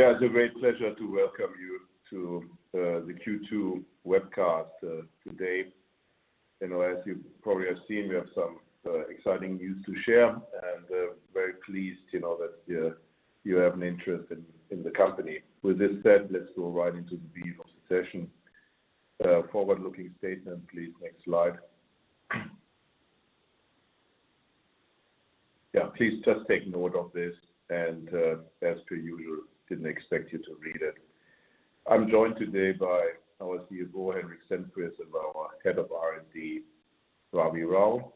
It's a great pleasure to welcome you to the Q2 webcast today. As you probably have seen, we have some exciting news to share, and we're very pleased that you have an interest in the company. With this said, let's go right into the meat of the session. Forward-looking statement, please next slide. Please just take note of this and as per usual, didn't expect you to read it. I'm joined today by our CFO, Henrik Stenqvist, and our head of R&D, Ravi Rao.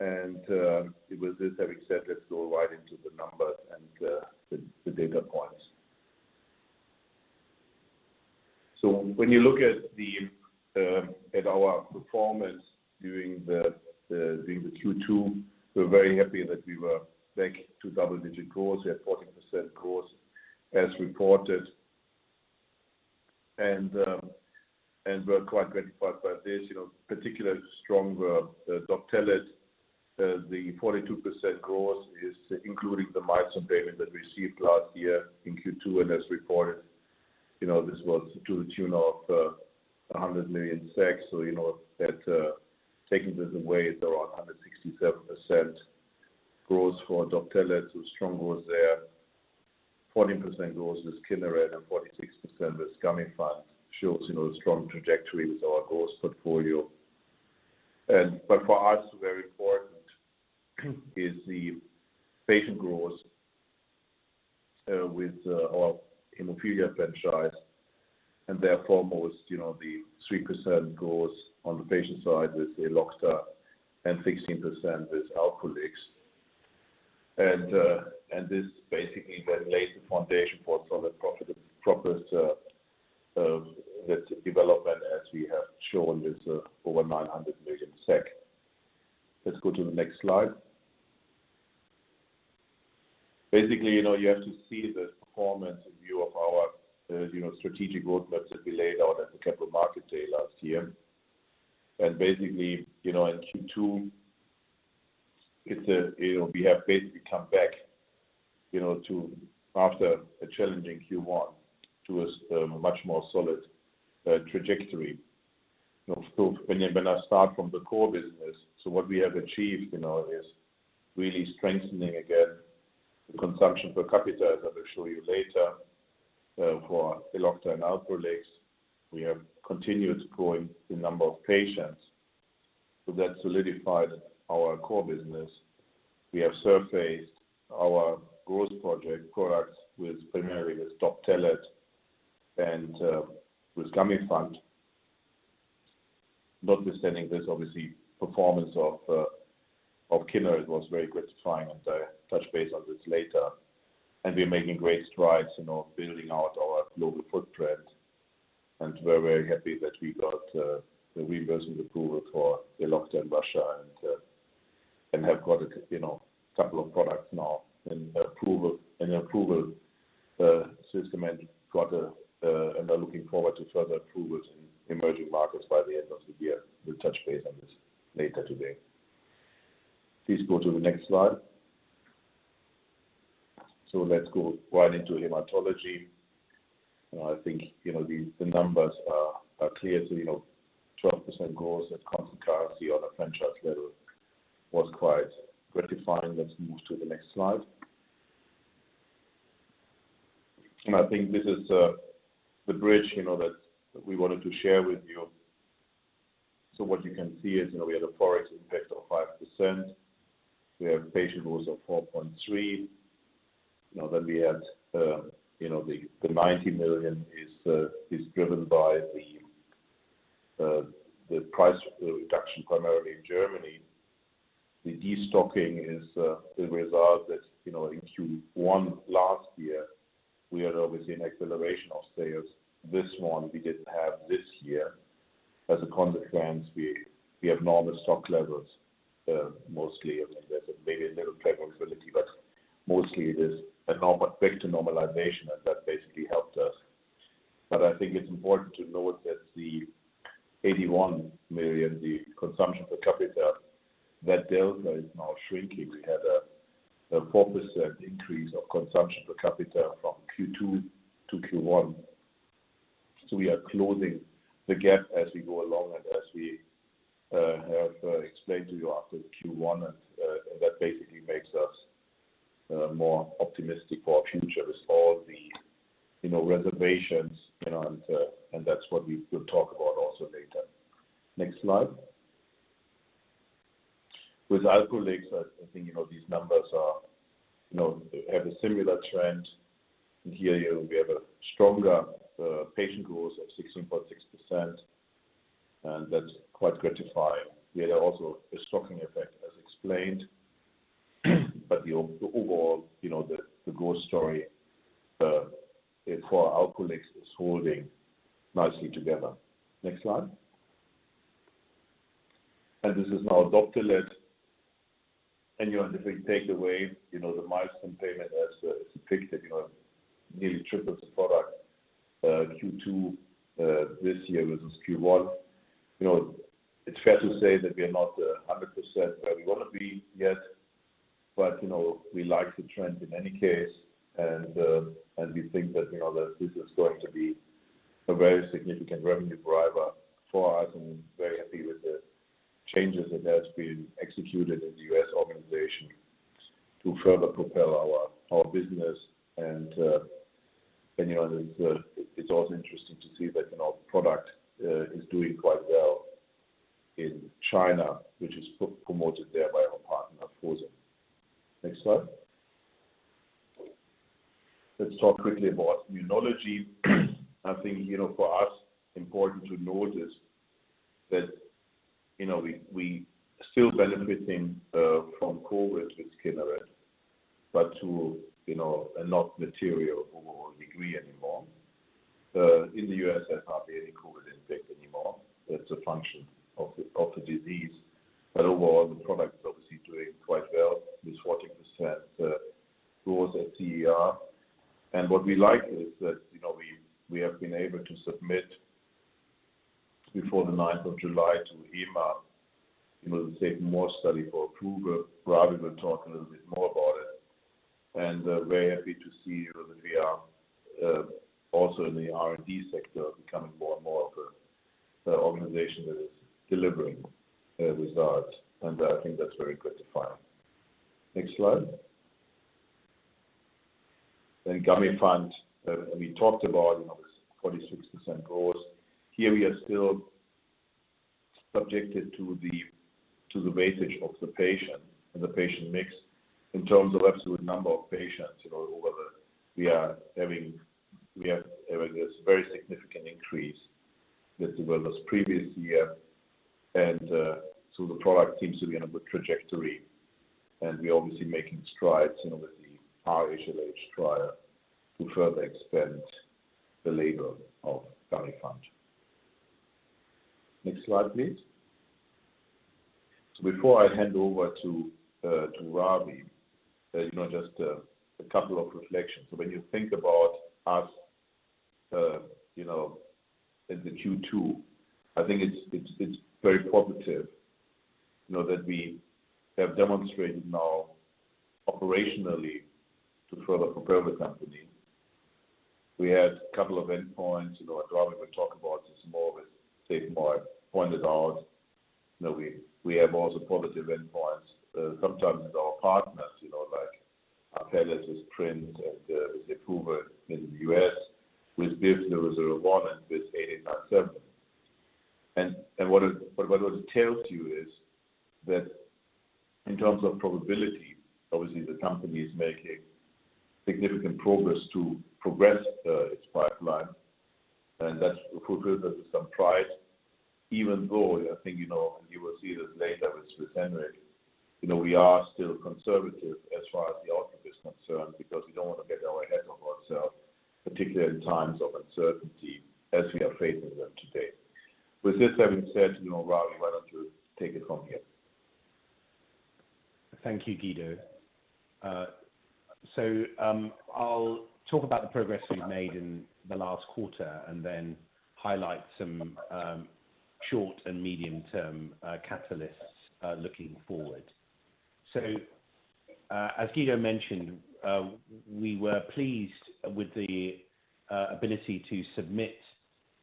With this having said, let's go right into the numbers and the data points. When you look at our performance during the Q2, we're very happy that we were back to double-digit growth. We had 14% growth as reported. We're quite gratified by this. Particular strong Doptelet. The 42% growth is including the milestone payment that we received last year in Q2 and as reported. This was to the tune of 100 million. Taking this away, it's around 167% growth for Doptelet. It's a strong growth there. 14% growth with KINERET and 46% with Gamifant shows a strong trajectory with our growth portfolio. For us, very important is the patient growth with our hemophilia franchise and therefore most the 3% growth on the patient side with Elocta and 16% with Alprolix. This basically then lays the foundation for some of the proper development as we have shown is over 900 million SEK. Let's go to the next slide. Basically, you have to see the performance view of our strategic roadmap that we laid out at the Capital Markets Day last year. Basically, in Q2 we have basically come back after a challenging Q1 to a much more solid trajectory. When I start from the core business. What we have achieved is really strengthening again the consumption per capita, as I will show you later for Elocta and Alprolix. We have continued growing the number of patients. That solidified our core business. We have surfaced our growth project products primarily with Doptelet and with Gamifant. Notwithstanding this, obviously, performance of KINERET was very gratifying, and I'll touch base on this later. We're making great strides building out our global footprint. We're very happy that we got the reimbursement approval for Elocta in Russia and have got two products now in the approval system and are looking forward to further approvals in emerging markets by the end of the year. We'll touch base on this later today. Please go to the next slide. Let's go right into hematology. I think the numbers are clear. 12% growth at constant currency on a franchise level was quite gratifying. Let's move to the next slide. I think this is the bridge that we wanted to share with you. What you can see is we had a ForEx effect of 5%. We have patient growth of 4.3%. We had the 90 million is driven by the price reduction primarily in Germany. The de-stocking is a result that in Q1 last year, we had obviously an acceleration of sales. This one we didn't have this year. As a consequence, we have normal stock levels. Mostly, I mean, there's maybe a little flexibility but mostly it is an effect to normalization and that basically helped us. I think it's important to note that the 81 million, the consumption per capita, that delta is now shrinking. We had a 4% increase of consumption per capita from Q2 to Q1. We are closing the gap as we go along and as we have explained to you after the Q1 and that basically makes us more optimistic for our future with all the reservations and that's what we will talk about also later. Next slide. With Alprolix, I think these numbers have a similar trend. Here we have a stronger patient growth of 16.6% and that's quite gratifying. We had also a stocking effect as explained. The overall growth story for Alprolix is holding nicely together. Next slide. This is now Doptelet. The big takeaway, the milestone payment as depicted nearly triples the product Q2 this year versus Q1. It's fair to say that we are not 100% where we want to be yet, but we like the trend in any case. We think that this is going to be a very significant revenue driver for us, very happy with the changes that has been executed in the U.S. organization to further propel our business. It's also interesting to see that our product is doing quite well in China, which is promoted there by our partner, Fosun. Next slide. Let's talk quickly about immunology. I think, for us, important to notice that we still benefiting from COVID with KINERET, but to a not material overall degree anymore. In the U.S., there's hardly any COVID impact anymore. It's a function of the disease. Overall, the product is obviously doing quite well with 14% growth at CER. What we like is that we have been able to submit before the 9th of July to EMA, the SAVE-MORE study for approval. Ravi will talk a little bit more about it. Very happy to see that we are also in the R&D sector becoming more and more of an organization that is delivering results, and I think that's very gratifying. Next slide. Gamifant. We talked about this 46% growth. Here we are still subjected to the weightage of the patient and the patient mix in terms of absolute number of patients, or whether we are having this very significant increase with the wellness previous year. The product seems to be on a good trajectory, and we're obviously making strides with the RHLH trial to further extend the label of Gamifant. Next slide, please. Before I hand over to Ravi, just a couple of reflections. When you think about us in the Q2, I think it is very positive that we have demonstrated now operationally to further propel the company. We had a couple of endpoints. I would rather we talk about this more with Dave Moore. Pointed out that we have also positive endpoints. Sometimes our partners, like Apellis with PRINCE and with approval in the U.S. with BIVV001, there was a warning with 8897. What it tells you is that in terms of probability, obviously the company is making significant progress to progress its pipeline, and that is approval with some pride, even though I think you will see this later with Henrik. We are still conservative as far as the outlook is concerned, because we don't want to get ahead of ourselves, particularly in times of uncertainty as we are facing them today. With this having said, Ravi, why don't you take it from here? Thank you, Guido. I'll talk about the progress we've made in the last quarter and then highlight some short and medium-term catalysts looking forward. As Guido mentioned, we were pleased with the ability to submit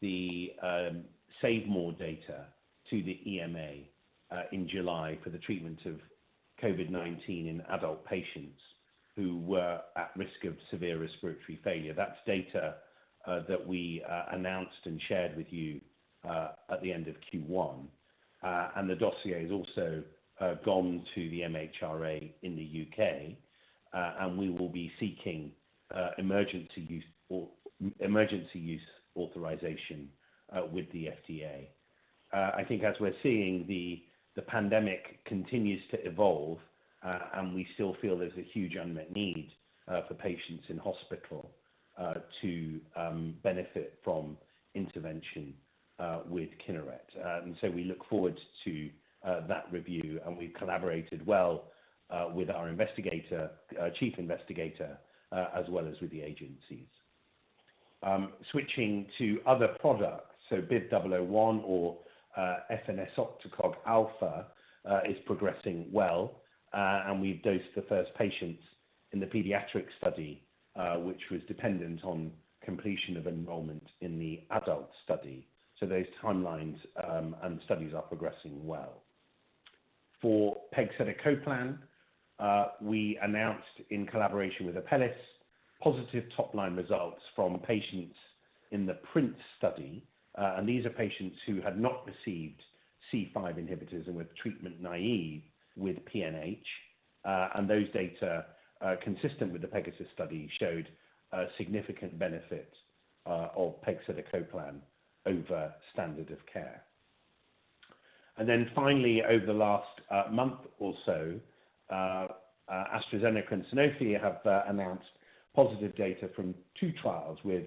the SAVE-MORE data to the EMA in July for the treatment of COVID-19 in adult patients who were at risk of severe respiratory failure. That's data that we announced and shared with you at the end of Q1. The dossier has also gone to the MHRA in the U.K., and we will be seeking emergency use authorization with the FDA. I think as we're seeing, the pandemic continues to evolve, and we still feel there's a huge unmet need for patients in hospital to benefit from intervention with Kineret. We look forward to that review, and we've collaborated well with our chief investigator, as well as with the agencies. Switching to other products. BIVV001 or efanesoctocog alfa is progressing well. We've dosed the first patients in the pediatric study, which was dependent on completion of enrollment in the adult study. Those timelines and studies are progressing well. For pegcetacoplan, we announced in collaboration with Apellis, positive top-line results from patients in the PRINCE study. These are patients who had not received C5 inhibitors and were treatment naïve with PNH. Those data, consistent with the PEGASUS study, showed significant benefit of pegcetacoplan over standard of care. Finally, over the last month or so, AstraZeneca and Sanofi have announced positive data from two trials with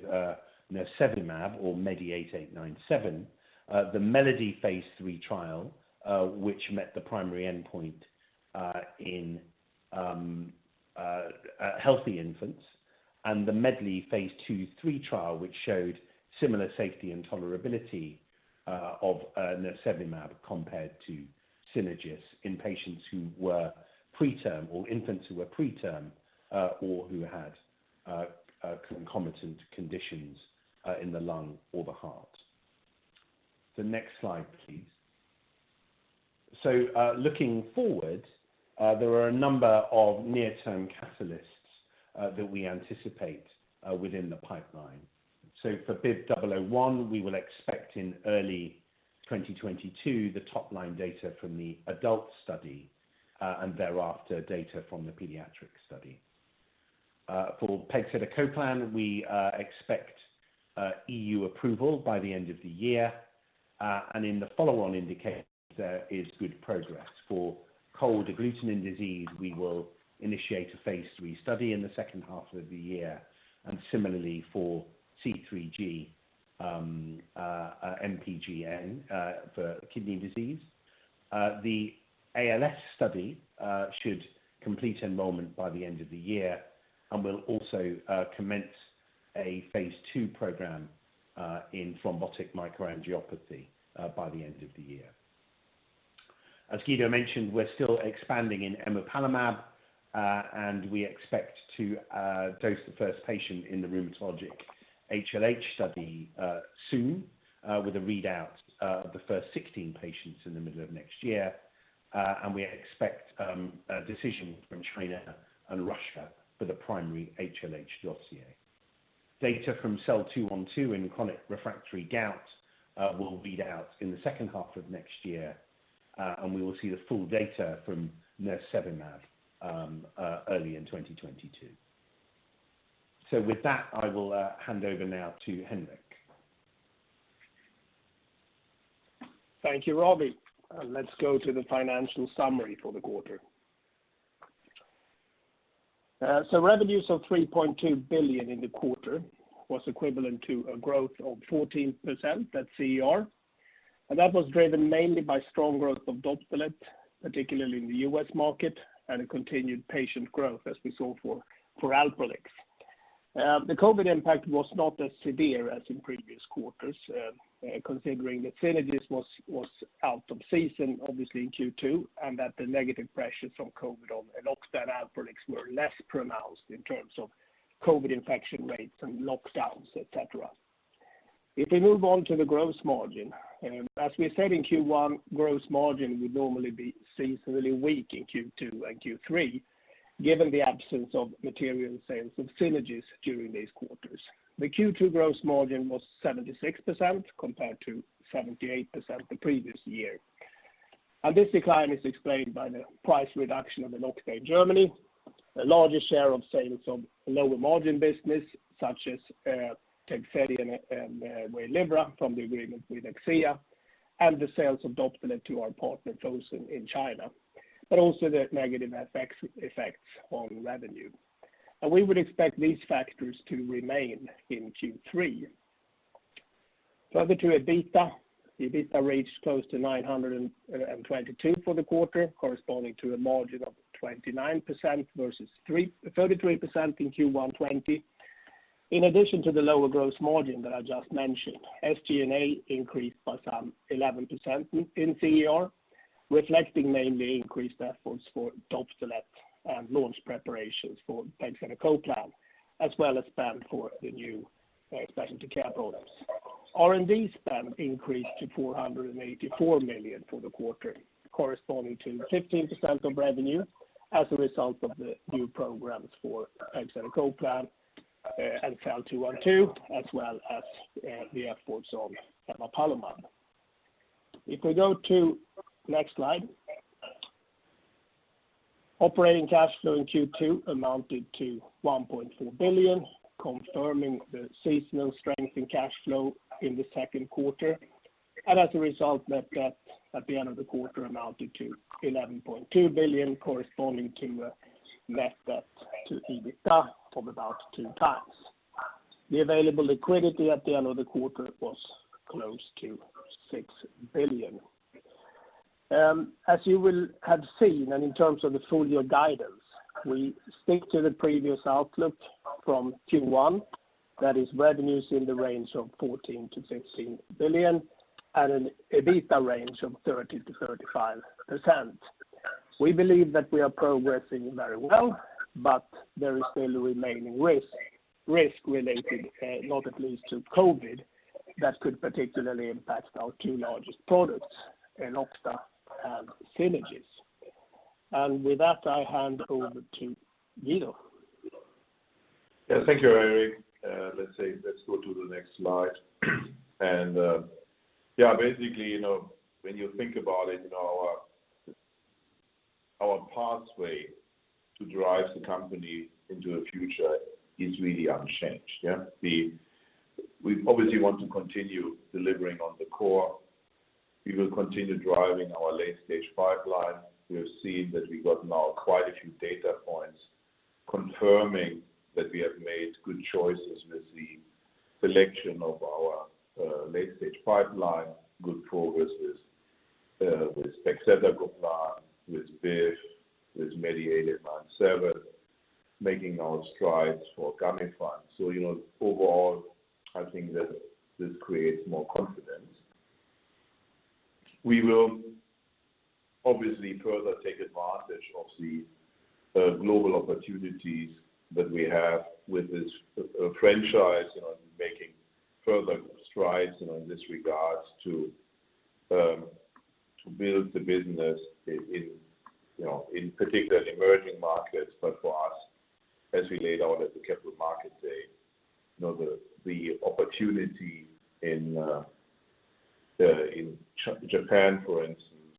nirsevimab or MEDI8897, the MELODY phase III trial, which met the primary endpoint in healthy infants and the MEDLEY phase II/III trial, which showed similar safety and tolerability of nirsevimab compared to Synagis in patients who were preterm or infants who were preterm or who had concomitant conditions in the lung or the heart. The next slide, please. Looking forward, there are a number of near-term catalysts that we anticipate within the pipeline. For BIVV001, we will expect in early 2022 the top-line data from the adult study, and thereafter, data from the pediatric study. For pegcetacoplan, we expect EU approval by the end of the year. In the follow-on indicator is good progress. For cold agglutinin disease, we will initiate a phase III study in the second half of the year, and similarly for C3G, MPGN for kidney disease. The ALS study should complete enrollment by the end of the year and will also commence a phase II program in thrombotic microangiopathy by the end of the year. As Guido mentioned, we're still expanding in emapalumab, and we expect to dose the first patient in the rheumatologic HLH study soon, with a readout of the first 16 patients in the middle of next year. We expect a decision from China and Russia for the primary HLH dossier. Data from SEL-212 in chronic refractory gout will read out in the second half of next year, and we will see the full data from nirsevimab early in 2022. With that, I will hand over now to Henrik. Thank you, Ravi. Let's go to the financial summary for the quarter. Revenues of 3.2 billion in the quarter was equivalent to a growth of 14% at CER, and that was driven mainly by strong growth of Doptelet, particularly in the U.S. market, and a continued patient growth as we saw for Alprolix. The COVID impact was not as severe as in previous quarters, considering that Synagis was out of season, obviously in Q2, and that the negative pressures from COVID on Elocta and Alprolix were less pronounced in terms of COVID infection rates and lockdowns, et cetera. If we move on to the gross margin. As we said in Q1, gross margin would normally be seasonally weak in Q2 and Q3, given the absence of material sales of Synagis during these quarters. The Q2 gross margin was 76% compared to 78% the previous year. This decline is explained by the price reduction of Elocta in Germany, a larger share of sales of lower margin business such as TEGSEDI and WAYLIVRA from the agreement with Akcea, and the sales of Doptelet to our partner Fosun in China. Also the negative effects on revenue. We would expect these factors to remain in Q3. Further to EBITDA. The EBITDA reached close to 922 million for the quarter, corresponding to a margin of 29% versus 33% in Q1 2020. In addition to the lower gross margin that I just mentioned, SG&A increased by some 11% in CER, reflecting mainly increased efforts for Doptelet and launch preparations for pegcetacoplan, as well as spend for the new specialty care products. R&D spend increased to 484 million for the quarter, corresponding to 15% of revenue as a result of the new programs for pegcetacoplan and SEL-212, as well as the efforts on emapalumab. If we go to next slide. Operating cash flow in Q2 amounted to 1.4 billion, confirming the seasonal strength in cash flow in the second quarter. As a result, net debt at the end of the quarter amounted to 11.2 billion, corresponding to net debt to EBITDA of about two times. The available liquidity at the end of the quarter was close to 6 billion. As you will have seen, and in terms of the full-year guidance, we stick to the previous outlook from Q1, that is revenues in the range of 14 billion-16 billion and an EBITDA range of 30%-35%. We believe that we are progressing very well, but there is still remaining risk related, not at least to COVID, that could particularly impact our two largest products, Elocta and Synagis. With that, I hand over to Guido. Yeah. Thank you, Henrik. Let's go to the next slide. Yeah, basically, when you think about it, our pathway to drive the company into the future is really unchanged, yeah? We obviously want to continue delivering on the core. We will continue driving our late-stage pipeline. We have seen that we've got now quite a few data points confirming that we have made good choices with the. selection of our late-stage pipeline, good progress with Rexedag vibrates, with BIVV, with MEDI8897, making our strides for Gamifant. Overall, I think that this creates more confidence. We will obviously further take advantage of the global opportunities that we have with this franchise and making further strides in this regards to build the business in particular emerging markets. For us, as we laid out at the Capital Markets Day, the opportunity in Japan, for instance,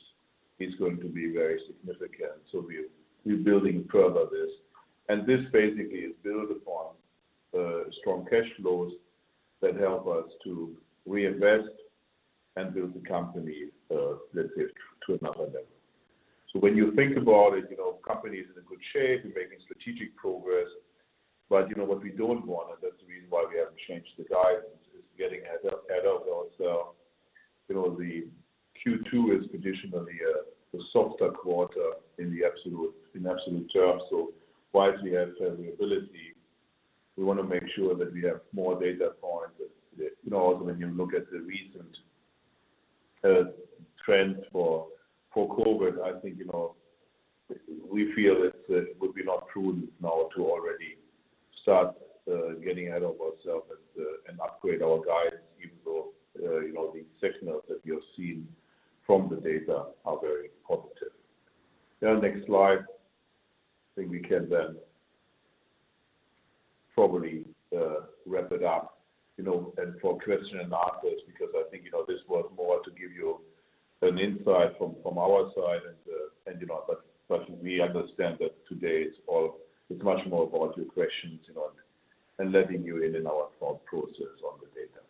is going to be very significant. We're building further this. This basically is built upon strong cash flows that help us to reinvest and build the company, let's say, to another level. When you think about it, company is in a good shape. We're making strategic progress. What we don't want, and that's the reason why we haven't changed the guidance, is getting ahead of ourselves. The Q2 is traditionally a softer quarter in absolute terms. Whilst we have the ability, we want to make sure that we have more data points. Also when you look at the recent trends for COVID, I think we feel it would be not prudent now to already start getting ahead of ourselves and upgrade our guidance, even though the signals that you're seeing from the data are very positive. Next slide. I think we can then probably wrap it up. For question and answers, because I think this was more to give you an insight from our side. We understand that today it's much more about your questions and letting you in on our thought process on the data.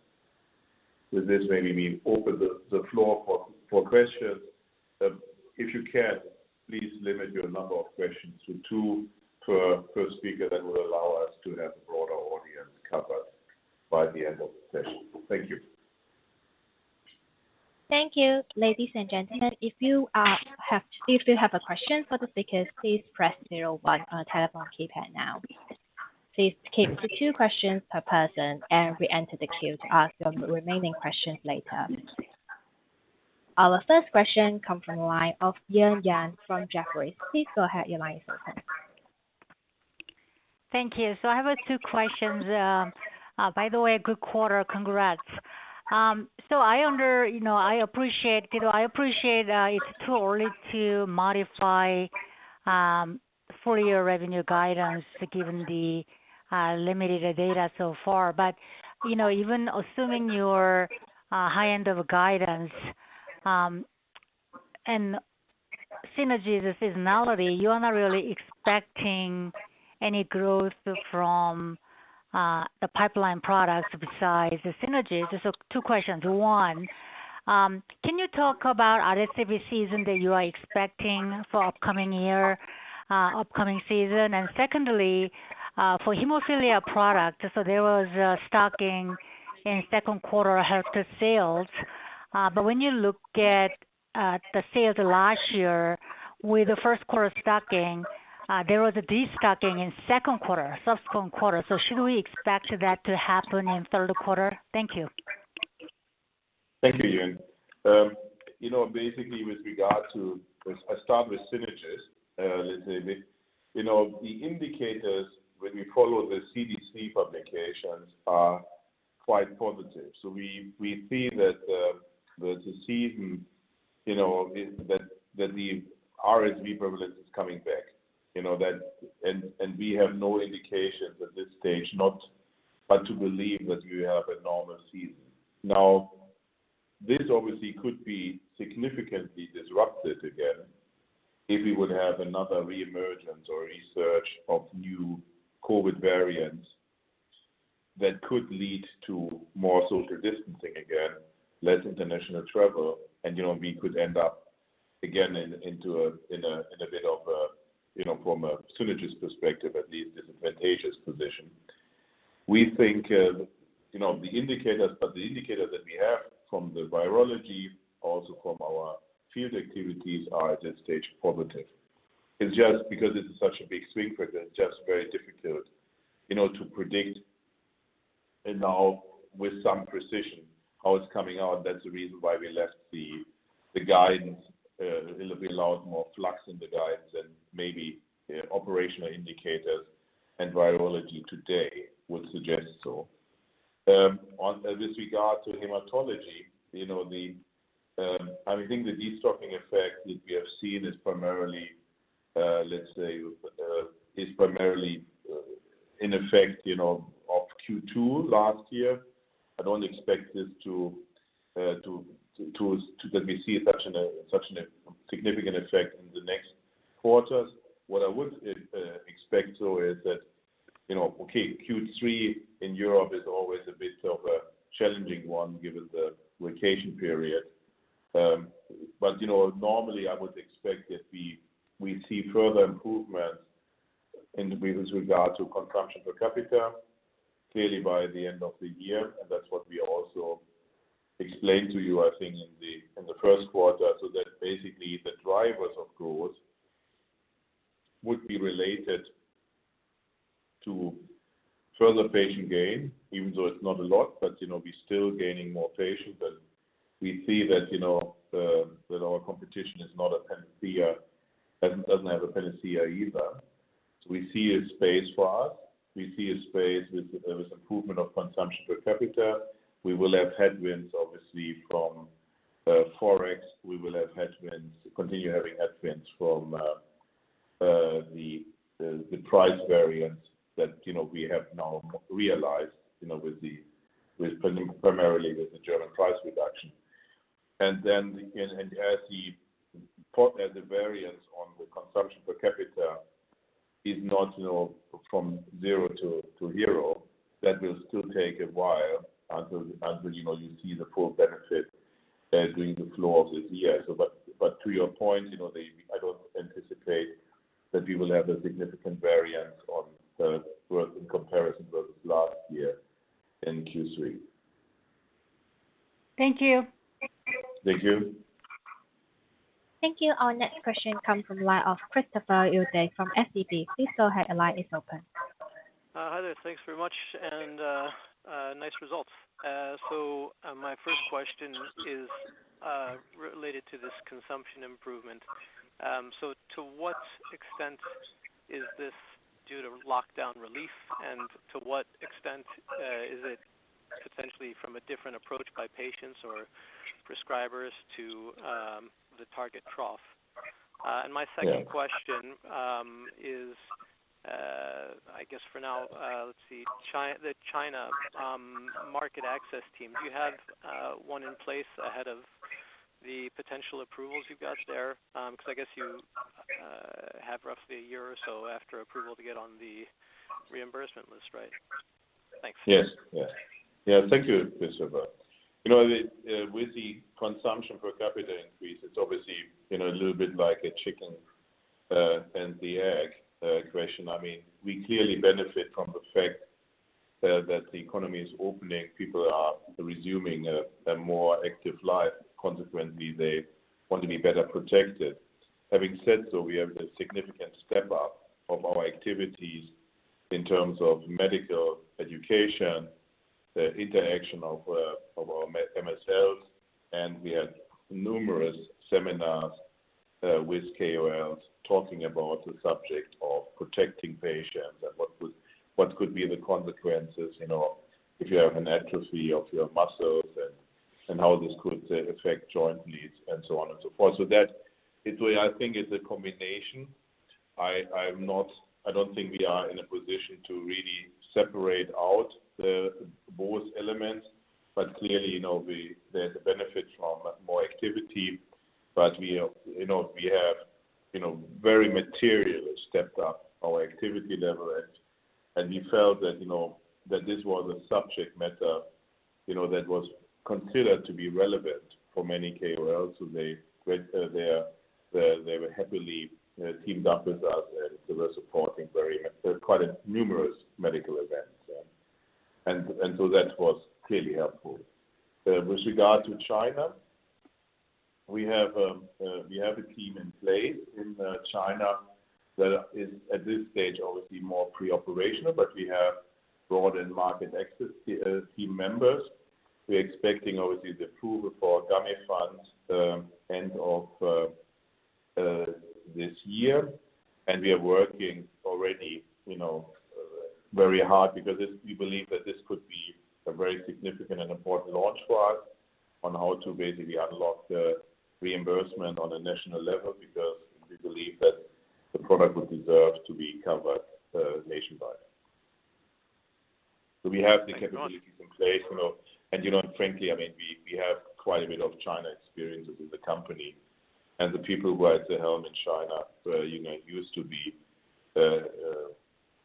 With this, maybe we open the floor for questions. If you can, please limit your number of questions to two per speaker. That will allow us to have a broader audience covered by the end of the session. Thank you. Thank you. Ladies and gentlemen, if you have a question for the speakers, please press zero one on telephone keypad now. Please keep to two questions per person, and reenter the queue to ask your remaining questions later. Our first question come from the line of Eun Yang from Jefferies. Please go ahead, your line is open. Thank you. I have two questions. By the way, good quarter. Congrats. I appreciate it is too early to modify full-year revenue guidance given the limited data so far. Even assuming your high end of a guidance and synergis seasonality, you are not really expecting any growth from the pipeline products besides the synergies. I have two questions. One, can you talk about RSV season that you are expecting for upcoming year, upcoming season? Secondly, for hemophilia product, there was a stocking in second quarter helped the sales. When you look at the sales last year with the 1st quarter stocking, there was a de-stocking in second quarter, subsequent quarter. Should we expect that to happen in third quarter? Thank you. Thank you, Eun. With regard to established synergies, let's say the indicators when we follow the CDC publications are quite positive. We see that the season, that the RSV prevalence is coming back. We have no indications at this stage not but to believe that we have a normal season. This obviously could be significantly disrupted again if we would have another reemergence or research of new COVID variants that could lead to more social distancing again, less international travel, and we could end up again in a bit of a, from a synergies perspective at least, disadvantageous position. We think the indicators that we have from the virology, also from our field activities, are at this stage positive. It's just because this is such a big swing factor, it's just very difficult to predict now with some precision how it's coming out. That's the reason why we left the guidance a little bit allowed more flux in the guides than maybe operational indicators and virology today would suggest so. With regard to hematology, I think the de-stocking effect that we have seen is primarily in effect of Q2 last year. I don't expect that we see such a significant effect in the next quarters. What I would expect, though, is that okay, Q3 in Europe is always a bit of a challenging one given the vacation period. Normally I would expect that we see further improvements. With regard to consumption per capita, clearly by the end of the year, and that's what we also explained to you, I think, in the first quarter, that basically the drivers, of course, would be related to further patient gain, even though it's not a lot, but we're still gaining more patients. We see that our competition doesn't have a Panacea either. We see a space for us. We see a space with improvement of consumption per capita. We will have headwinds, obviously, from ForEx. We will continue having headwinds from the price variance that we have now realized primarily with the German price reduction. As the variance on the consumption per capita is not from zero to hero, that will still take a while until you see the full benefit during the flow of this year. To your point, I don't anticipate that we will have a significant variance in comparison versus last year in Q3. Thank you. Thank you. Thank you. Our next question comes from the line of Christopher Uhde from SEB. Please go ahead. The line is open. Hi there. Thanks very much and nice results. My first question is related to this consumption improvement. To what extent is this due to lockdown relief, and to what extent is it potentially from a different approach by patients or prescribers to the target trough? Yeah. My second question is, I guess for now, let's see, the China market access team. Do you have one in place ahead of the potential approvals you've got there? Because I guess you have roughly a year or so after approval to get on the reimbursement list, right? Thanks. Yes. Thank you, Christopher. With the consumption per capita increase, it's obviously a little bit like a chicken and the egg question. We clearly benefit from the fact that the economy is opening. People are resuming a more active life. Consequently, they want to be better protected. Having said so, we have a significant step up of our activities in terms of medical education, the interaction of our MSLs, and we had numerous seminars with KOLs talking about the subject of protecting patients and what could be the consequences if you have an atrophy of your muscles and how this could affect joint leads and so on and so forth. That, I think, is a combination. I don't think we are in a position to really separate out both elements. Clearly, there's a benefit from more activity. We have very materially stepped up our activity level. We felt that this was a subject matter that was considered to be relevant for many KOLs. They happily teamed up with us and they were supporting quite numerous medical events. That was clearly helpful. With regard to China, we have a team in place in China that is at this stage, obviously more pre-operational, but we have broadened market access team members. We're expecting, obviously, the approval for Gamifant end of this year. We are working already very hard because we believe that this could be a very significant and important launch for us on how to basically unlock the reimbursement on a national level, because we believe that the product would deserve to be covered nationwide. We have the capabilities in place. Frankly, we have quite a bit of China experience within the company. The people who are at the helm in China used to be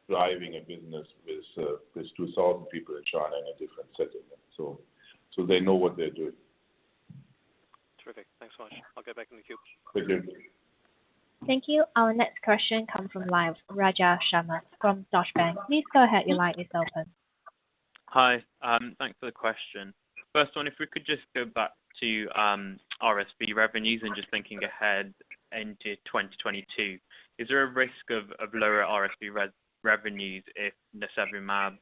driving a business with 2,000 people in China in a different setting. They know what they're doing. Terrific. Thanks much. I'll get back in the queue. Thank you. Thank you. Our next question comes from line of Rajan Sharma from Deutsche Bank. Please go ahead. Your line is open. Hi. Thanks for the question. First one, if we could just go back to RSV revenues and just thinking ahead into 2022. Is there a risk of lower RSV revenues if nirsevimab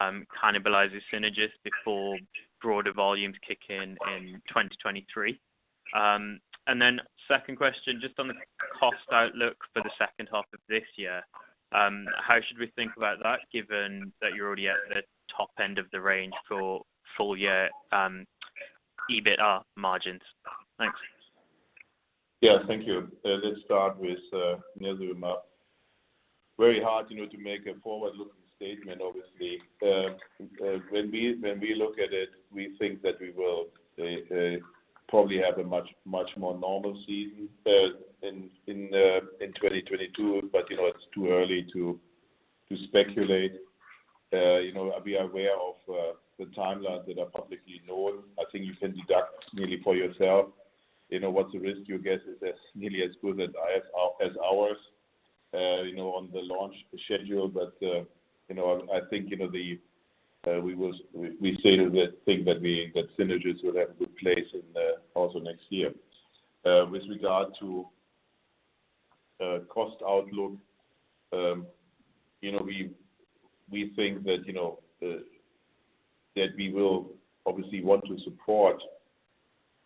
cannibalizes Synagis before broader volumes kick in in 2023? Second question, just on the cost outlook for the second half of this year. How should we think about that, given that you're already at the top end of the range for full year EBITDA margins? Thanks. Yeah. Thank you. Let's start with nirsevimab. Very hard to make a forward-looking statement, obviously. When we look at it, we think that we will probably have a much more normal season in 2022. It's too early to speculate, I'll be aware of the timelines that are publicly known. I think you can deduce nearly for yourself what the risk you get is as nearly as good as ours on the launch schedule. I think we say that Synagis will have good place in also next year. With regard to cost outlook, we think that we will obviously want to support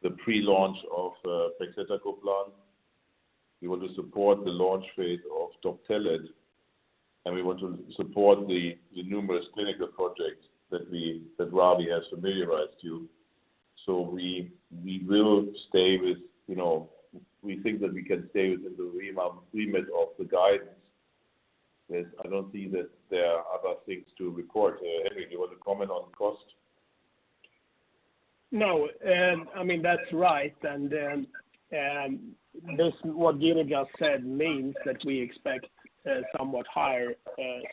the pre-launch of pegcetacoplan. We want to support the launch phase of Doptelet, and we want to support the numerous clinical projects that Ravi has familiarized you. We think that we can stay within the remit of the guidance. I don't see that there are other things to report. Henrik, you want to comment on cost? No. What Guido just said means that we expect a somewhat higher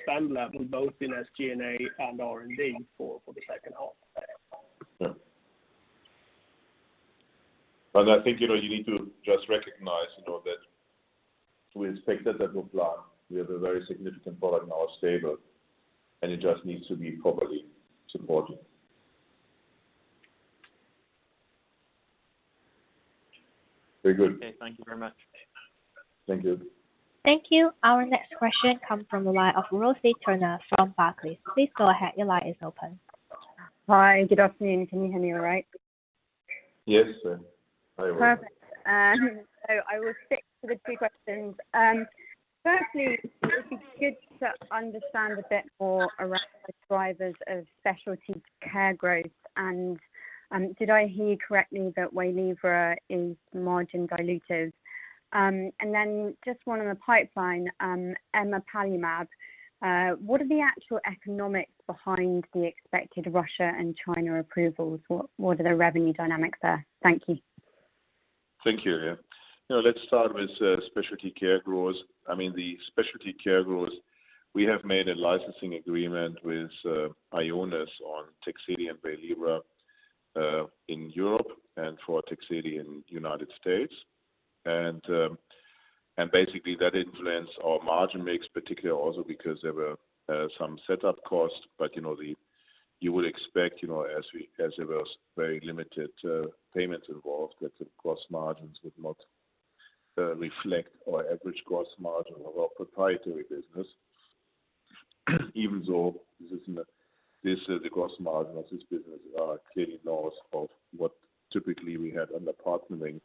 spend level both in SG&A and R&D for the second half. Yeah. I think you need to just recognize that with pegcetacoplan, we have a very significant product in our stable, and it just needs to be properly supported. Very good. Okay. Thank you very much. Thank you. Thank you. Our next question comes from the line of Rosie Turner from Barclays. Please go ahead. Hi. Good afternoon. Can you hear me all right? Yes. Perfect. I will stick to the two questions. Firstly, it would be good to understand a bit more around the drivers of specialty care growth. Did I hear you correctly that WAYLIVRA is margin dilutive? Just one on the pipeline, emapalumab. What are the actual economics behind the expected Russia and China approvals? What are the revenue dynamics there? Thank you. Thank you. Let's start with specialty care growth. The specialty care growth, we have made a licensing agreement with Ionis on TEGSEDI and WAYLIVRA in Europe and for TEGSEDI in United States. Basically that influence our margin mix particularly also because there were some setup costs. You would expect, as there was very limited payments involved, that the gross margins would not reflect our average gross margin of our proprietary business, even though the gross margin of this business are clearly north of what typically we had under partnering,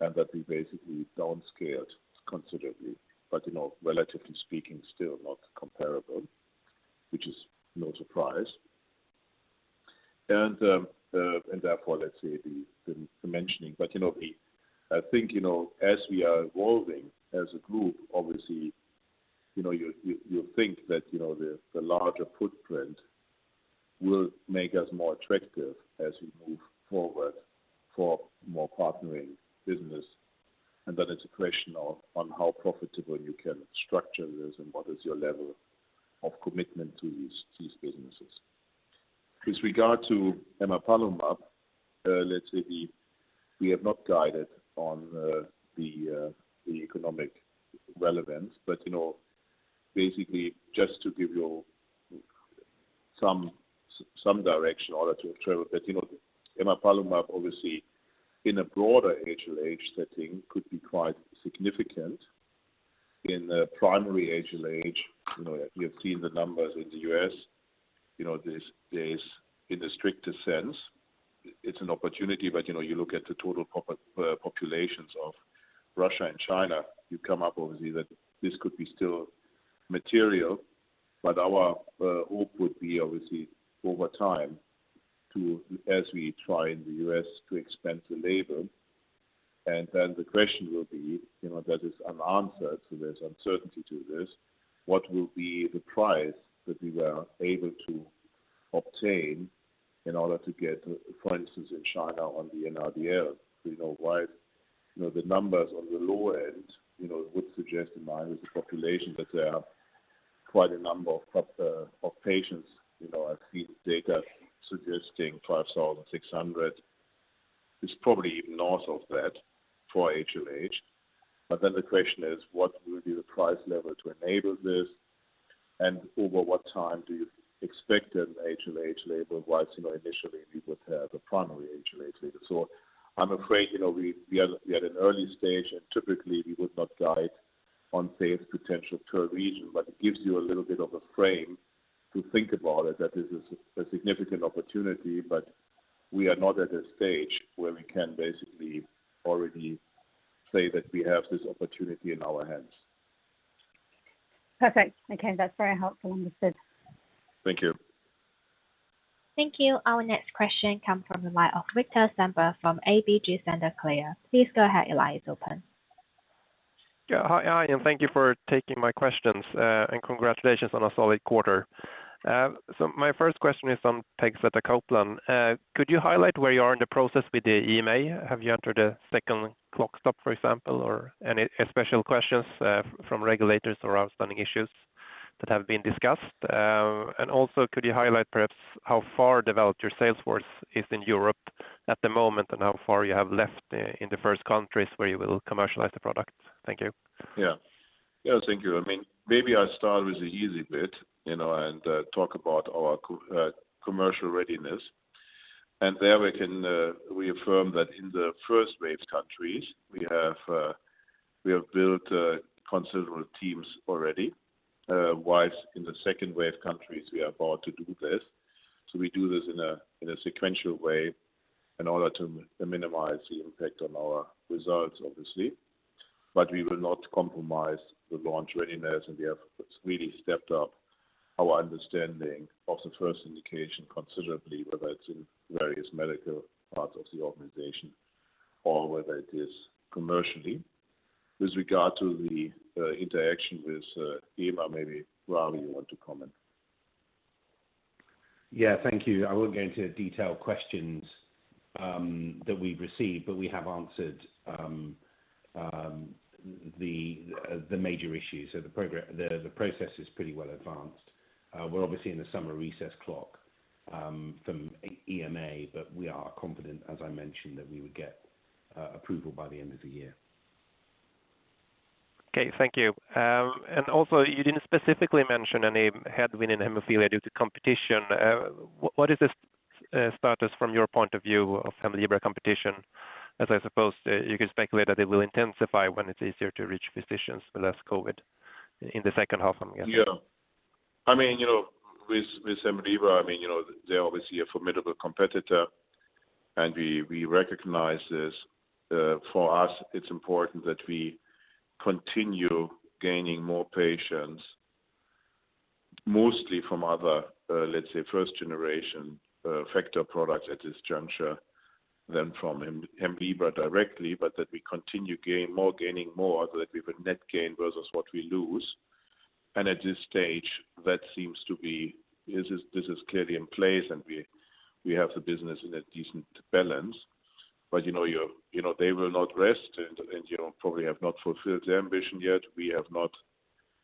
and that we basically downscaled considerably. Relatively speaking, still not comparable, which is no surprise. Therefore, let's say the mentioning. I think, as we are evolving as a group, obviously, you'll think that the larger footprint will make us more attractive as we move forward for more partnering business. Then it's a question on how profitable you can structure this and what is your level of commitment to these businesses. With regard to emapalumab, let's say we have not guided on the economic relevance. Basically just to give you some direction in order to interpret. Emapalumab, obviously, in a broader HLH setting could be quite significant. In the primary HLH, you have seen the numbers in the U.S. There is, in a stricter sense, it's an opportunity. You look at the total populations of Russia and China, you come up, obviously, that this could be still material. Our hope would be, obviously, over time, as we try in the U.S. to expand the label. The question will be, that is an answer to this uncertainty to this, what will be the price that we were able to obtain in order to get, for instance, in China on the NRDL. The numbers on the low end would suggest, in line with the population, that there are quite a number of patients. I've seen data suggesting 5,600. It's probably even north of that for HLH. The question is, what will be the price level to enable this, and over what time do you expect an HLH label, whilst initially we would have a primary HLH label. I'm afraid we are at an early stage, and typically we would not guide on sales potential per region. It gives you a little bit of a frame to think about it, that this is a significant opportunity, but we are not at a stage where we can basically already say that we have this opportunity in our hands. Perfect. Okay. That's very helpful. Understood. Thank you. Thank you. Our next question comes from the line of Viktor Sundberg from ABG Sundal Collier. Please go ahead. Your line is open. Hi. Thank you for taking my questions. Congratulations on a solid quarter. My first question is on pegcetacoplan. Could you highlight where you are in the process with the EMA? Have you entered a second clock stop, for example, or any special questions from regulators or outstanding issues that have been discussed? Also, could you highlight perhaps how far developed your sales force is in Europe at the moment, and how far you have left in the first countries where you will commercialize the product? Thank you Yeah. Thank you. Maybe I'll start with the easy bit and talk about our commercial readiness. There we affirm that in the first-wave countries, we have built considerable teams already, whilst in the second-wave countries, we are about to do this. We do this in a sequential way in order to minimize the impact on our results, obviously. We will not compromise the launch readiness, and we have really stepped up our understanding of the first indication considerably, whether it's in various medical parts of the organization or whether it is commercially. With regard to the interaction with EMA, maybe, Ravi, you want to comment. Yeah. Thank you. I won't go into detailed questions that we've received, but we have answered the major issues. The process is pretty well advanced. We're obviously in the summer recess clock from EMA, but we are confident, as I mentioned, that we would get approval by the end of the year. Okay. Thank you. Also, you didn't specifically mention any headwind in haemophilia due to competition. What is the status from your point of view of HEMLIBRA competition? I suppose, you can speculate that it will intensify when it's easier to reach physicians with less COVID in the second half, I'm guessing. With HEMLIBRA, they're obviously a formidable competitor. We recognize this. For us, it's important that we continue gaining more patients, mostly from other, let's say, first-generation factor products at this juncture than from HEMLIBRA directly, that we continue gaining more so that we have a net gain versus what we lose. At this stage, this is clearly in place. We have the business in a decent balance. They will not rest. Probably have not fulfilled their ambition yet. We have not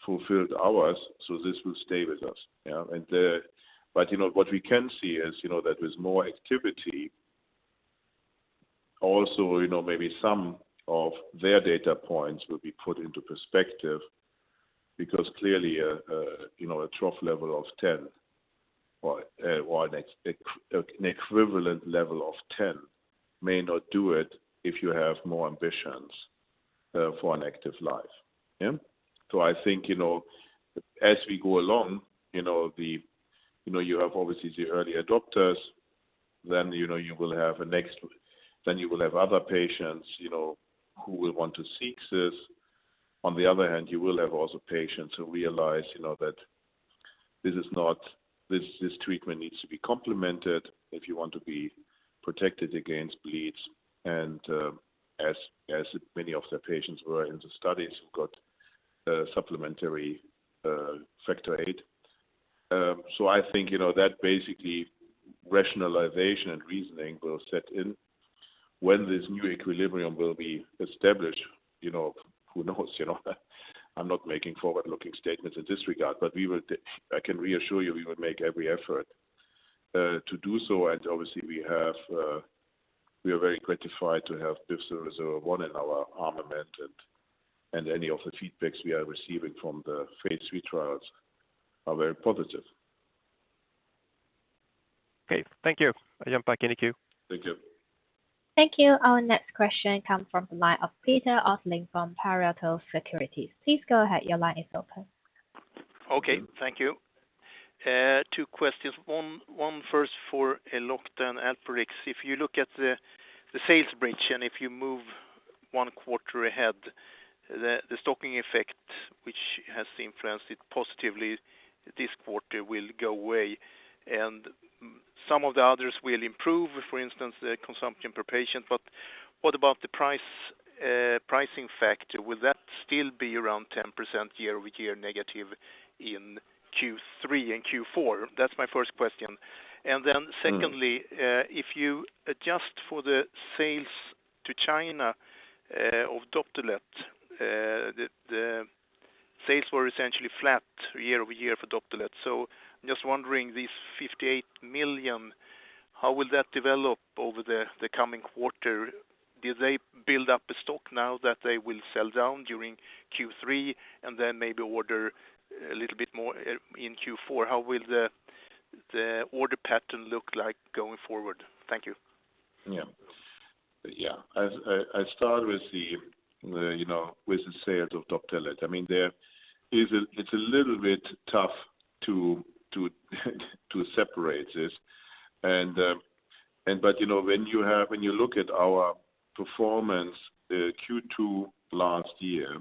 fulfilled ours. This will stay with us. What we can see is that with more activity, also maybe some of their data points will be put into perspective, because clearly, an equivalent level of 10 may not do it if you have more ambitions for an active life. I think, as we go along, you have obviously the early adopters, then you will have other patients who will want to seek this. On the other hand, you will have also patients who realize that this treatment needs to be complemented if you want to be protected against bleeds and, as many of the patients were in the studies, who got supplementary factor VIII. I think that basically rationalization and reasoning will set in. When this new equilibrium will be established, who knows? I'm not making forward-looking statements in this regard, but I can reassure you we will make every effort to do so. Obviously, we are very gratified to have Bivriozumab in our armament, and any of the feedbacks we are receiving from the phase III trials are very positive. Okay. Thank you. I jump back in the queue. Thank you. Thank you. Our next question comes from the line of Peter Östling from Pareto Securities. Please go ahead. Your line is open. Okay. Thank you. Two questions. One first for Elocta and Alprolix. If you look at the sales bridge and if you move one quarter ahead, the stocking effect, which has influenced it positively this quarter, will go away. Some of the others will improve, for instance, the consumption per patient. What about the pricing factor? Will that still be around 10% year-over-year negative in Q3 and Q4? That's my first question. Then secondly- If you adjust for the sales to China of Doptelet, the sales were essentially flat year-over-year for Doptelet. I'm just wondering, these 58 million, how will that develop over the coming quarter? Do they build up a stock now that they will sell down during Q3 and then maybe order a little bit more in Q4? How will the order pattern look like going forward? Thank you. Yeah. I start with the sale of Doptelet. It's a little bit tough to separate this. When you look at our performance Q2 last year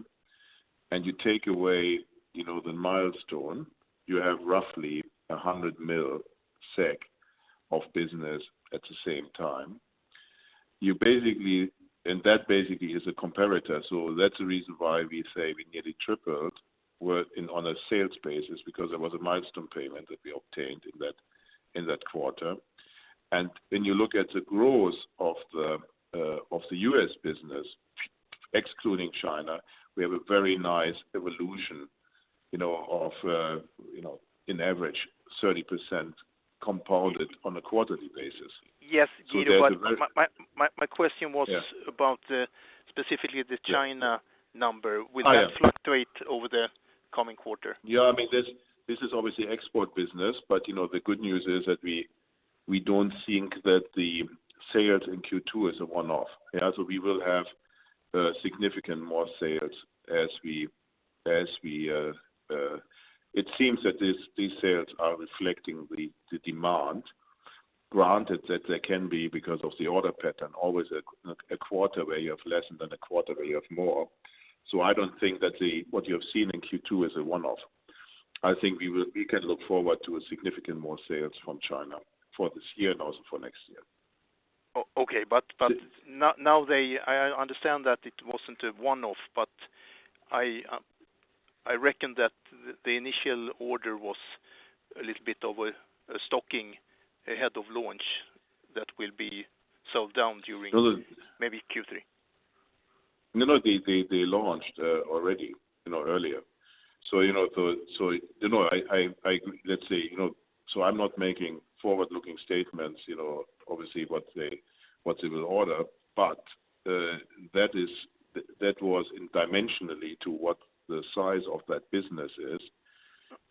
and you take away the milestone, you have roughly 100 million SEK of business at the same time. That basically is a comparator. That's the reason why we say we nearly tripled on a sales basis, because there was a milestone payment that we obtained in that quarter. When you look at the growth of the U.S. business, excluding China, we have a very nice evolution of in average, 30% compounded on a quarterly basis. Yes, Guido. Yeah. about specifically the China number. Yeah. Will that fluctuate over the coming quarter? Yeah, this is obviously export business, but the good news is that we don't think that the sales in Q2 is a one-off. Yeah. We will have significant more sales. It seems that these sales are reflecting the demand, granted that they can be because of the order pattern, always a quarter where you have less and then a quarter where you have more. I don't think that what you have seen in Q2 is a one-off. I think we can look forward to a significant more sales from China for this year and also for next year. Okay. I understand that it wasn't a one-off, but I reckon that the initial order was a little bit of a stocking ahead of launch that will be sold down during maybe Q3. No, they launched already earlier. I'm not making forward-looking statements, obviously what they will order. That was dimensionally to what the size of that business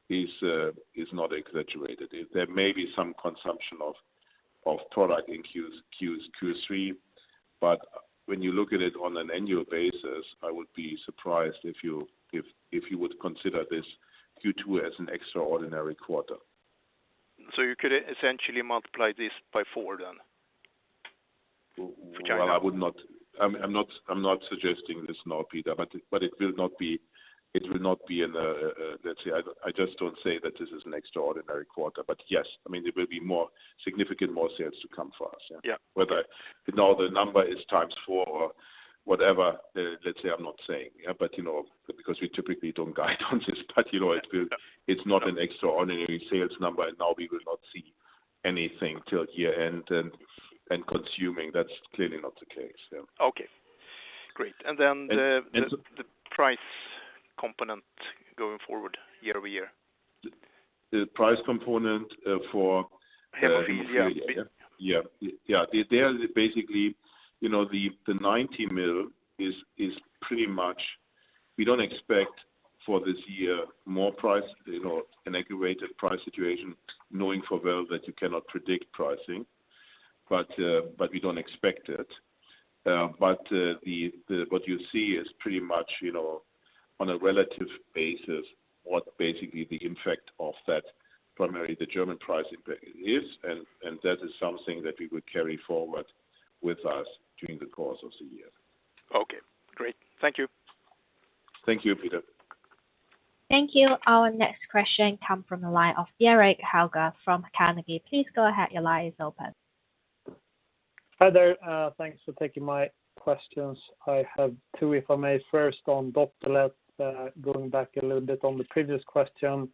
is not exaggerated. There may be some consumption of product in Q3. When you look at it on an annual basis, I would be surprised if you would consider this Q2 as an extraordinary quarter. You could essentially multiply this by four then, for China? Well, I'm not suggesting this now, Peter, but I just don't say that this is an extraordinary quarter, but yes, there will be significant more sales to come for us, yeah. Yeah. Whether or not the number is times four or whatever, let's say I'm not saying. Yeah. Because we typically don't guide on this, but it's not an extraordinary sales number and now we will not see anything till year-end and assuming that's clearly not the case. Okay, great. The price component going forward year-over-year? The price component for- Hemophilia Yeah. They are basically, the 90 million is pretty much, we don't expect for this year more price, an aggravated price situation, knowing full well that you cannot predict pricing. We don't expect it. What you see is pretty much, on a relative basis, what basically the impact of that, primarily the German price impact is. That is something that we would carry forward with us during the course of the year. Okay, great. Thank you. Thank you, Peter. Thank you. Our next question come from the line of Erik Hultgård from Carnegie. Please go ahead. Your line is open. Hi there. Thanks for taking my questions. I have two, if I may. First on Doptelet, going back a little bit on the previous question.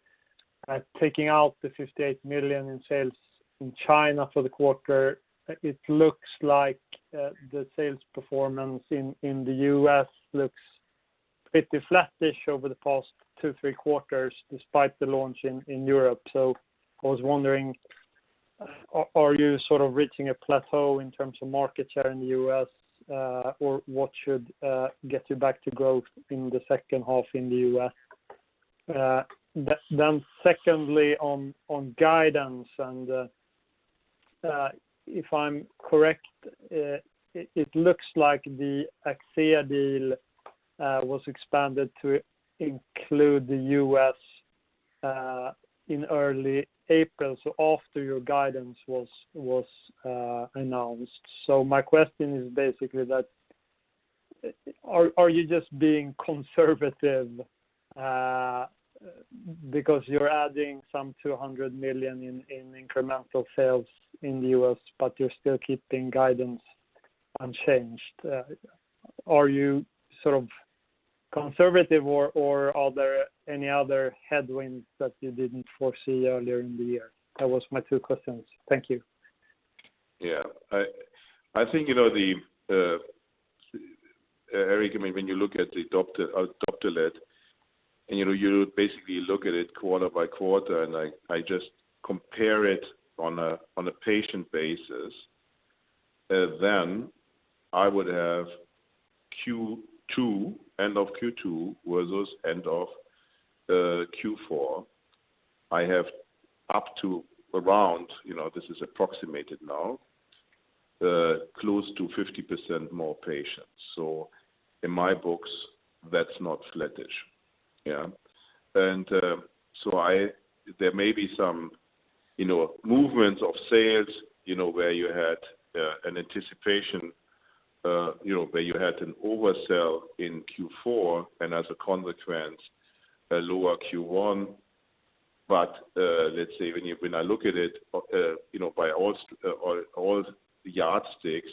Taking out the 58 million in sales in China for the quarter, it looks like the sales performance in the U.S. looks pretty flat-ish over the past two, three quarters, despite the launch in Europe. I was wondering, are you sort of reaching a plateau in terms of market share in the U.S.? What should get you back to growth in the second half in the U.S.? Secondly, on guidance and if I'm correct, it looks like the Akcea deal was expanded to include the U.S. in early April. After your guidance was announced. My question is basically that, are you just being conservative? You're adding some $200 million in incremental sales in the U.S., but you're still keeping guidance unchanged. Are you sort of conservative or are there any other headwinds that you didn't foresee earlier in the year? That was my two questions. Thank you. Erik, when you look at the Doptelet, and you basically look at it quarter by quarter, and I just compare it on a patient basis, then I would have end of Q2 versus end of Q4. I have up to around, this is approximated now, close to 50% more patients. In my books, that's not flat-ish. There may be some movements of sales where you had an anticipation, where you had an oversell in Q4 and as a consequence, a lower Q1. Let's say when I look at it by all the yardsticks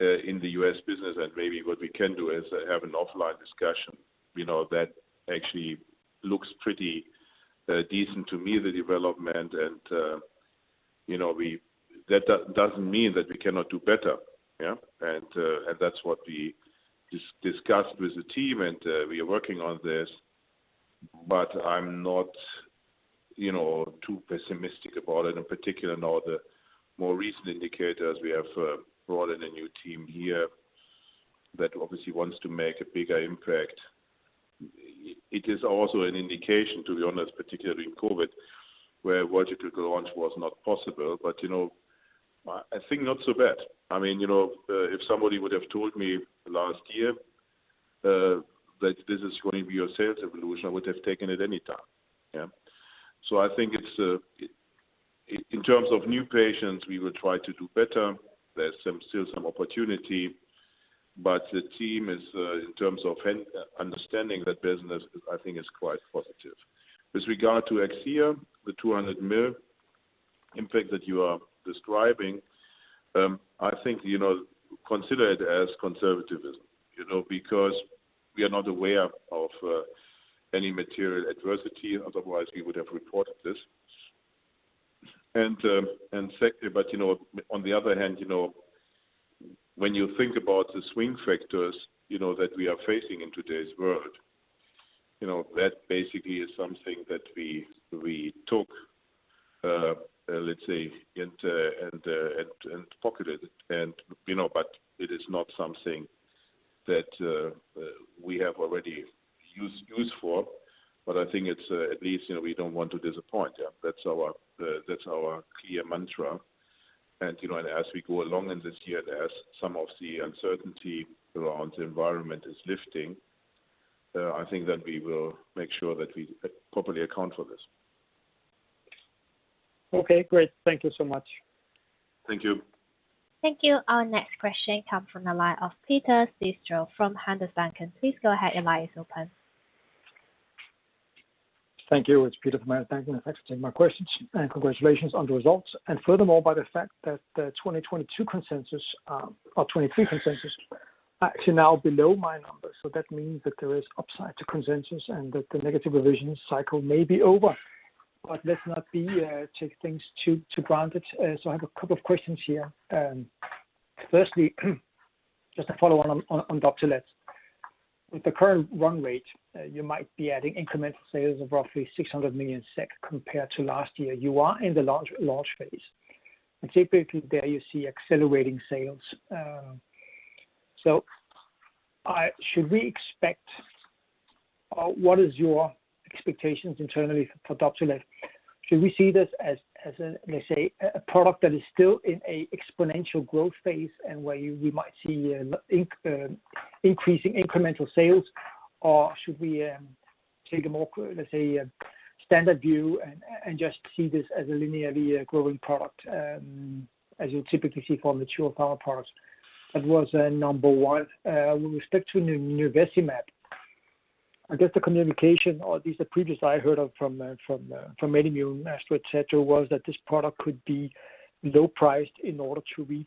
in the U.S. business, and maybe what we can do is have an offline discussion, that actually looks pretty decent to me, the development. That doesn't mean that we cannot do better. That's what we discussed with the team, we are working on this, I'm not too pessimistic about it in particular. The more recent indicators, we have brought in a new team here that obviously wants to make a bigger impact. It is also an indication, to be honest, particularly in COVID, where vertical launch was not possible. I think not so bad. If somebody would have told me last year that this is going to be our sales evolution, I would have taken it anytime. Yeah. I think in terms of new patients, we will try to do better. There's still some opportunity. The team is, in terms of understanding that business, I think is quite positive. With regard to Akcea, the 200 million, in fact, that you are describing, I think, consider it as conservatism. Because we are not aware of any material adversity. Otherwise, we would have reported this. Second, on the other hand, when you think about the swing factors that we are facing in today's world, that basically is something that we took, let's say, and pocketed. It is not something that we have already used for. I think it's at least we don't want to disappoint. Yeah. That's our clear mantra. As we go along in this year, as some of the uncertainty around the environment is lifting, I think that we will make sure that we properly account for this. Okay, great. Thank you so much. Thank you. Thank you. Our next question comes from the line of Peter Ekström from Handelsbanken. Please go ahead. Your line is open. Thank you. It's Peter from Handelsbanken. Thanks for taking my questions. Congratulations on the results. Furthermore, by the fact that the 2022 consensus or 2023 consensus actually now below my numbers. That means that there is upside to consensus and that the negative revision cycle may be over. Let's not take things too granted. I have a couple of questions here. Firstly, just to follow on Docetrax. With the current run rate, you might be adding incremental sales of roughly 600 million SEK compared to last year. You are in the launch phase. Typically there you see accelerating sales. What is your expectations internally for Docetrax? Should we see this as a, let's say, a product that is still in a exponential growth phase where we might see increasing incremental sales? Should we take a more, let's say, standard view and just see this as a linearly growing product, as you typically see for mature pharma products? That was number one. With respect to nirsevimab, I guess the communication, or at least the previous I heard of from many of you, Astra, et cetera, was that this product could be low priced in order to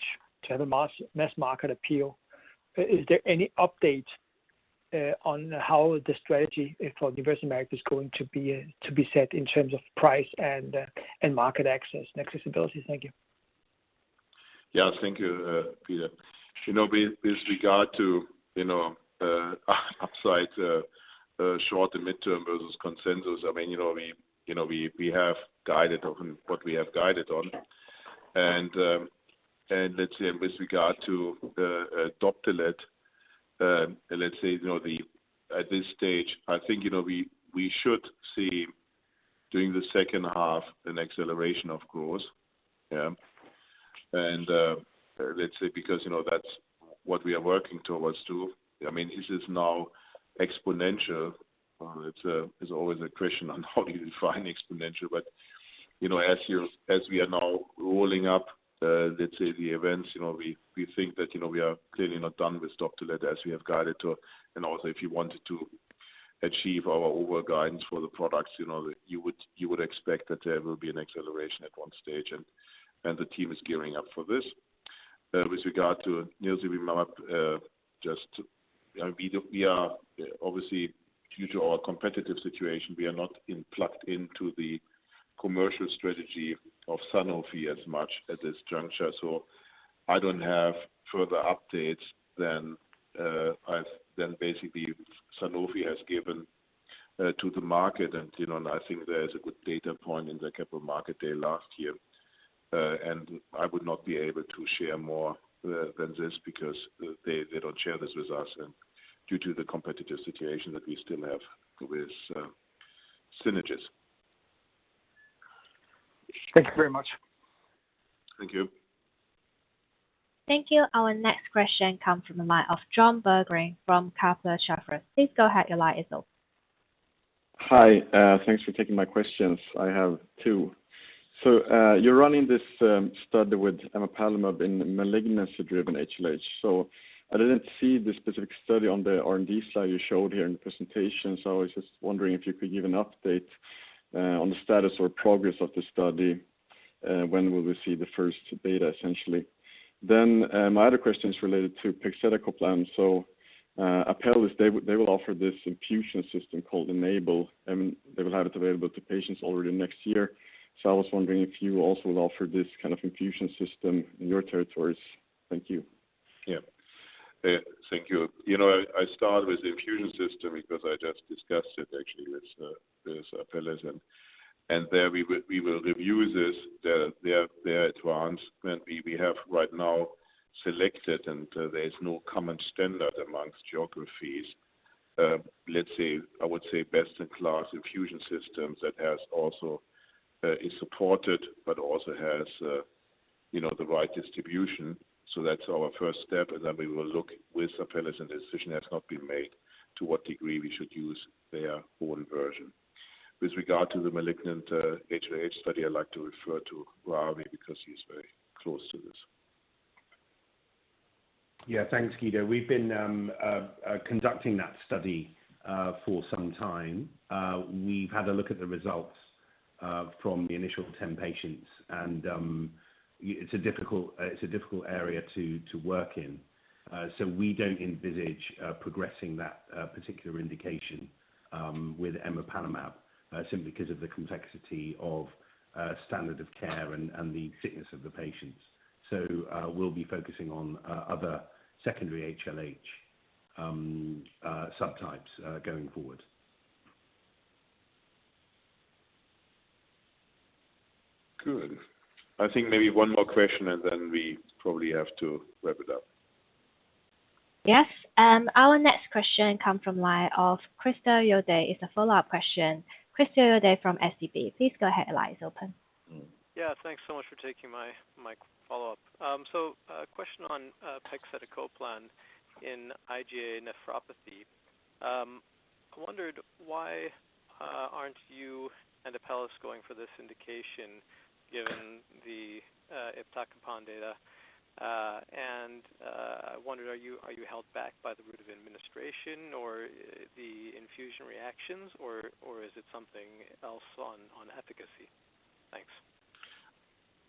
have a mass market appeal. Is there any update on how the strategy for nirsevimab is going to be set in terms of price and market access and accessibility? Thank you. Thank you, Peter. With regard to upside short- and midterm versus consensus, we have guided on what we have guided on. Let's say with regard to Doptelet, let's say at this stage, I think we should see during the second half an acceleration, of course. Let's say because that's what we are working towards, too. Is this now exponential? It's always a question on how you define exponential. As we are now rolling up, let's say the events, we think that we are clearly not done with Doptelet as we have guided to. Also, if you wanted to achieve our overall guidance for the products, you would expect that there will be an acceleration at one stage. The team is gearing up for this. With regard to nirsevimab, obviously due to our competitive situation, we are not plugged into the commercial strategy of Sanofi as much at this juncture. I don't have further updates than basically Sanofi has given to the market. I think there is a good data point in the Capital Markets Day last year. I would not be able to share more than this because they don't share this with us and due to the competitive situation that we still have with Synagis. Thank you very much. Thank you. Thank you. Our next question comes from the line of Jon Berggren from Kepler Cheuvreux. Hi. Thanks for taking my questions. I have two. You're running this study with emapalumab in malignancy-driven HLH. I didn't see the specific study on the R&D slide you showed here in the presentation. I was just wondering if you could give an update on the status or progress of the study. When will we see the first data, essentially? My other question is related to pegcetacoplan. Apellis, they will offer this infusion system called Enable, and they will have it available to patients already next year. I was wondering if you will also offer this kind of infusion system in your territories. Thank you. Yeah. Thank you. I start with the infusion system because I just discussed it actually with Apellis. There we will review this, their advancement. We have right now selected, and there is no common standard amongst geographies. Let's say, I would say best-in-class infusion systems that is supported, but also has the right distribution. That's our first step, and then we will look with Apellis, and the decision has not been made to what degree we should use their own version. With regard to the malignant HLH study, I'd like to refer to Ravi because he's very close to this. Yeah. Thanks, Guido. We've been conducting that study for some time. We've had a look at the results from the initial 10 patients. It's a difficult area to work in. We don't envisage progressing that particular indication with emapalumab simply because of the complexity of standard of care and the sickness of the patients. We'll be focusing on other secondary HLH subtypes going forward. Good. I think maybe one more question, and then we probably have to wrap it up. Yes. Our next question come from line of Christopher Uhde. It's a follow-up question. Christopher Uhde from SEB. Please go ahead. Line is open. Yeah. Thanks so much for taking my follow-up. A question on pegcetacoplan in IgA nephropathy. I wondered why aren't you and Apellis going for this indication given the iptacopan data. I wondered, are you held back by the route of administration or the infusion reactions, or is it something else on efficacy? Thanks.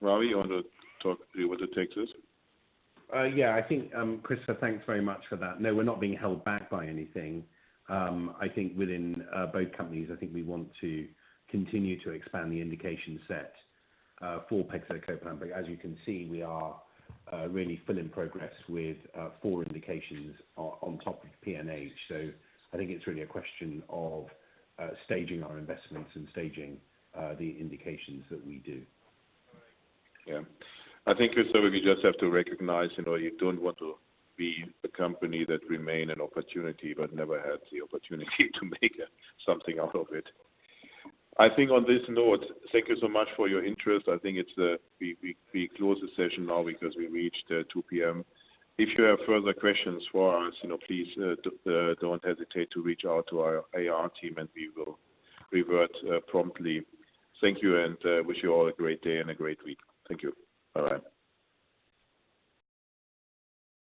Ravi, you want to talk through what it takes us? Yeah, I think, Christopher, thanks very much for that. No, we're not being held back by anything. I think within both companies, I think we want to continue to expand the indication set for pegcetacoplan. As you can see, we are really full in progress with four indications on top of PNH. I think it's really a question of staging our investments and staging the indications that we do. All right. Yeah. I think, Christopher, we just have to recognize you don't want to be a company that remain an opportunity but never had the opportunity to make something out of it. I think on this note, thank you so much for your interest. I think we close the session now because we reached 2:00 P.M. If you have further questions for us, please don't hesitate to reach out to our IR team and we will revert promptly. Thank you. Wish you all a great day and a great week. Thank you. Bye-bye.